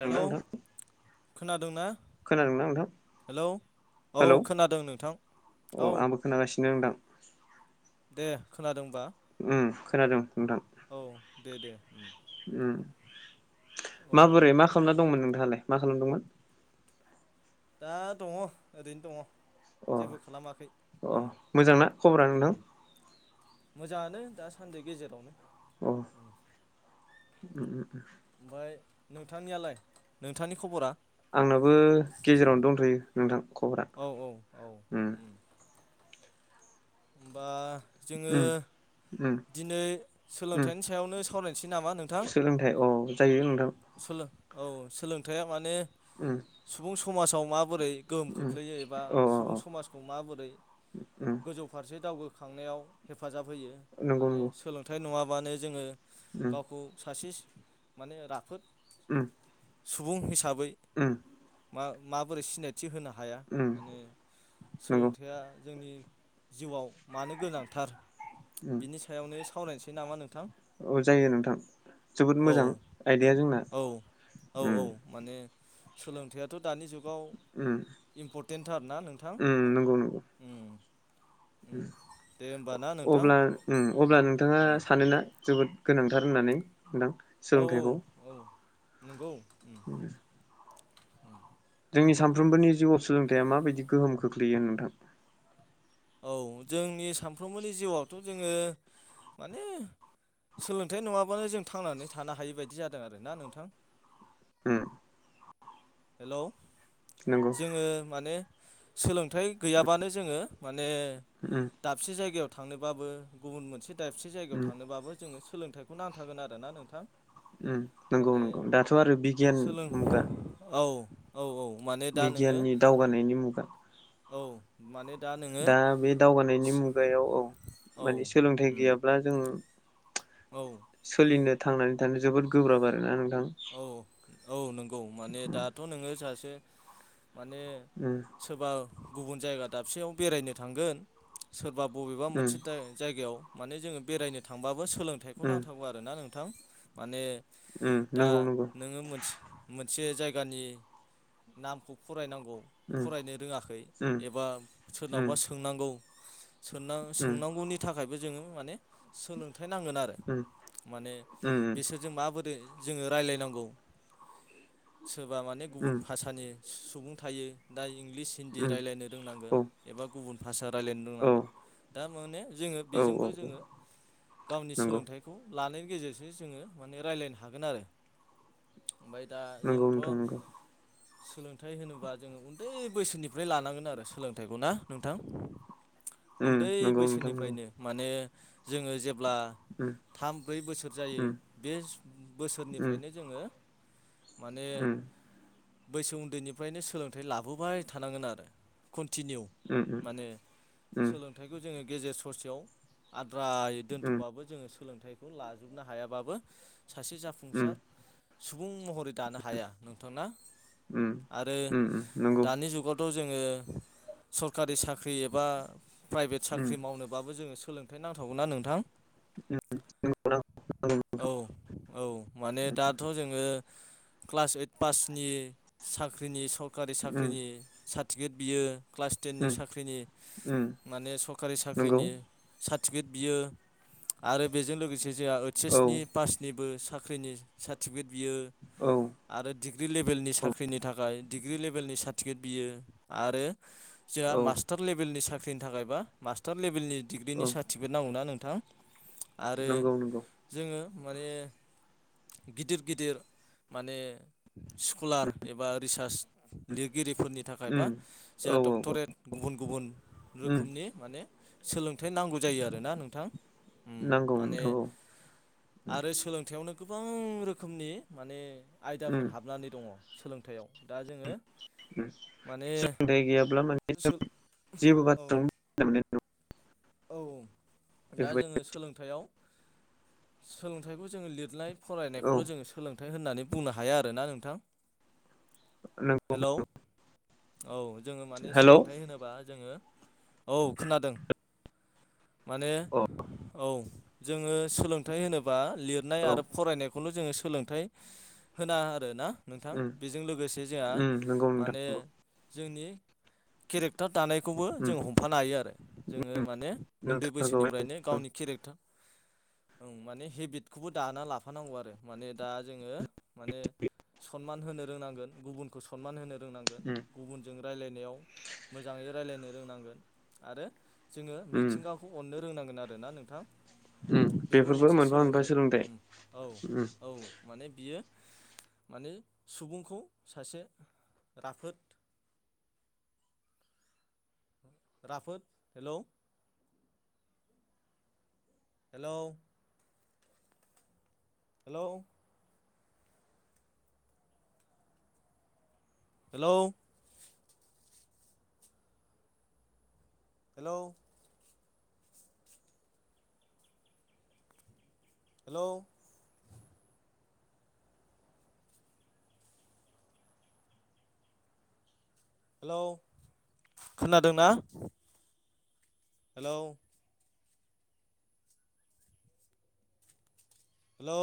जागोन हेलौ दे नोंथां खोनादोंना खोनादोंना नोंथां हेलौ औ खोनादों नोंथां औ अ आंबो खोनागासिनो नोंथां दे खोनादोंबा उम खोनादों नोंथां औ दे दे उम औ माबोरै मा खालामना दंमोन नोंथाङालाय मा खालामदोंमोन। दा दङ ओरैनो दङ। अ जेबो खालामाखै अ मोजांना खबरा नोंथां? जानो दासानदि गेजेरावनो अ उम ओमफ्राय नोंथांनियालाय नोंथांनि खबरा? आंनाबो गेजेरावनो दंथ'यो नोंथां खबरा उम बा जोङो उम उम दिनै उम सोलोंथाइनि सायावनो सावरायनोसै नामा नोंथां? सोलोंथाइ औ जायो नोंथां सोलों औ सोलोंथाइया माने। उम सुबुं समाजाव मा माबोरै गोहोम उम खोख्लैयो एबा अ अ सुबुं अ समाजखौ माबोरै उम गोजौ फारसे दावगो खांनायाव हेफाजाब होयो नंगौ माने नंगौ सोलोंथाइ नङाबानो जोङो उम गावखौ सासे माने राफोद उम सुबुं हिसाबै उम मा माबोरै सिनायथि होनो हा हाया उम माने नंगौ सोलोंथाइया जोंनि जिउआव मानो गोनांथार उम बिनि सायावनो सावरायनोसै नामा नों औ जायो नोंथां जोबोद औ मोजां आइदिया औ औ औ माने सोलोंथाइआथ' दानि जुगाव उम इम्परटेन्टथार ना नोंथां उम नंगौ नंगौ उम उम दे होमबा ना नोंथां अब्ला उ औ अब्ला नोंथाङा औ सानोना जोबोर न ना गोनांथार होननानै नोंथां सोलोंथाइखौ। नोंगौ उम उम जोंनि सानफ्रोमबोनि जिउआव सोलोंथाया माबायदि गोहोम खोख्लैयो नोंथां? औ जोंनि सानफ्रोमबोनि जिउआवथ' जोङो माने सोलोंथाइ नङाबानो जों थांनानै थानो हायि बायदि जादों आरोना नोंथां उम हेलौ नंगौ जोङो माने सोलोंथाइ गैयाबानो जोङो म माने उम दाबसे जायगायाव थांनोबाबो गुबुन मोनसे दाबसे जायगायाव उम थांनोबाबो जोङो सोलोंथाइखौ नांथागोन आरो ना नोंथां नंगौ माने नंगौ दाथ' आरो बिगियान सोलों मुगा। औ औ औ माने दा नोङो बिगियाननि दावगानायनि मुगा औ माने दा बे दावगानायनि मुगायाव औ औ माने सोलोंथाइ उम गैयाब्ला जों औ सोलिनो थांनानै थानो जोबोद गोब्राब आरोना। नोंथां औ औ नंगौ माने दाथ' नोङो सासे माने उम सोरबा गुबुन जायगा दाबसेयाव बेरायनो थांगोन सोर- बा बबेबा मोनसे जायगायाव माने जोङो बेरायनो थांबाबो सोलोंथाइखौ उम नांथारगौ आरो ना नों- थां माने उम दा नंगौ नंगौ नोङो मोनसे मोनसे जायगानि नामखौ फरायनां गौ उम फरायनो रोङाखै उम एबा उम सोरनावबा सोंनांगौ सोंनां उम सोंनांगौनि थाखायबो जोङो माने सोलों- थाय नांगोन आरो उम माने उम बिसोरजों माबोरै जोङो रायलायनांगौ सोरबा माने गुबुन उम भाषानि सुबुं थायो दा इंलिस हिन्दी उम रायलायनो रोंनांगोन औ एबा गुबुन भाषा रायलायनो औ रोंनांगोन दा माने जोङो औ बेजोंबो औ जोङो गावनि नंगौ सोलोंथाइखौ लानायनि गेजेरजों जोङो माने रायलायनो हागोन आरो ओमफ्राय दा नंगौ जोंथ' नोंथां नंगौ सोलोंथाइ होनोबा जोङो उन्दै बैसोनिफ्राय लानांगोन आरो सोलोंथाइखौ ना नोंथां उम उन्दै नंगौ नोंथां नंगौ बैसोनिफ्रायनो माने जोङो जेब्ला उम थाम ब्रै बोसोर जायो उम बे उम बोसोरनिफ्रायनो जोङो माने उम बैसो उन्दैनिफ्रायनो सोलोंथाइ लाबोबाय थानांगोन आरो कन- तिनिउ उम माने उम सोलोंथाइखौ जोङो गेजेर ससेयाव आ- द्रायै उम दोनथ'बाबो जोङो सोलोंथाइखौ लाजोबनो हायाबाबो सासे जाफुंसार सुबुं महरै दानो हाया नोंथांना उम आरो उम नंगौ दानि जुगावथ' जों जोङो सरखारि साख्रि एबा प्राइभेट उम साख्रि मावनोबाबो जोङो सोलोंथाइ नांथारगौ ना नोंथां‌। नंगौ नंगौ नोंथां औ औ माने दाथ' जोङो क्लास ओइट पा- सनि साख्रिनि सरकारि उम साख्रिनि सार्टिफिकेट बियो क्लास टेननि उम साख्रिनि उम माने सरकारि नंगौ साख्रिनि सा टिपिकेट बियो आरो बेजों लोगोसे जोंहा ओइच एस औ नि पास- साख्रिनि सार्टिफिकेट बियो औ आरो डिग्रि लेभेलनि साख्रिनि थाखाय डिग्रि लेभेलनि सार्टिफिकेट बियो आरो जोंहा औ औ मास्टार लेभेलनि सा- ख्रिनि थाखायबा मास्टार लेभेलनि डिग्रिनि औ सार्टिफिकेट नांगौना नोंथां आरो नंगौ नंगौ जोङो माने गिदिर गिदिर माने स्कलार एबा रिसार्च लिरगिरिफोरनि थाखाय बा उम जोंहा औ औ औ डक्टरेट गुबुन गुबुन उम रोखोमनि माने सोलोंथाइ नांगौ जायो आरोना नोंथां नांगौ माने नोंथां औ आरो सोलोंथायआवनो गोबां रोखोमनि माने उम आयदाफोर हाबनानै दङ सोलोंथाय याव दा जोङो। माने सोलोंथाइ गैयाब्ला माने सो जों जेबो औ बाथ्राखौ [unintelligible] औ दा जोङो बेफोरबायदि सोलोंथायाव सोलोंथाइखौ जोङो लिरनाय औ फरायनायखौल' जोङो सोलोंथाइ होननानै बुंनो हाया आरोना नोंथां नंगौ हेलौ औ जोङो माने हेलौ सोलोंथाइ होनोबा जोङो। औ खोनादों। माने अ औ जोङो सोलोंथाइ होनोब्ला लिरनाय औ आरो फरायनाय खौनो जोङो सोलोंथाइ होना आरो ना। नोंथां उम बेजों लोगोसे जोंहा उम नंगौ नोंथां माने नंगौ जोंनि केरेक्टार दानायखौबो उम जों हमफानो हायो आरो ओ उम माने उन्दै नोंथारगौ बैसोनिफ्रायनो एकदम गावनि केरेक्टार माने हेबिटखौबो दानानै लाफानांगौ आरो माने दा जोङो। माने सनमान होनो रोंनांगोन गुबुनखौ सनमान होनो। रोंनांगोन उम गुबुनजों रायलायनायाव मोजाङै रायलायनो रोंनांगोन आरो। जोङो उम मिथिंगाखौ अननो रोंनांगोन आरो ना नोंथां। उम बेबो बेफोरबो मोनसे मोनफा मोनफा सोलोंथाइ उ औ उम औ माने बियो माने सुबुंखौ सासे राफोद राफोद hello hello hello hello hello hello hello खोनादोंना? हेलौ हेलौ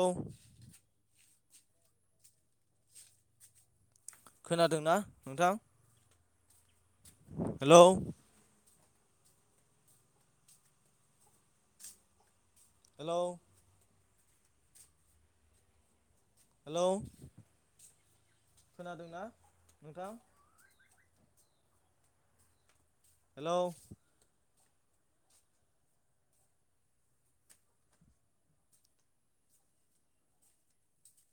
खोनादोंना नोंथां? हेलौ हेलौ हेलौ खोनादोंना नोंथां? हेलौ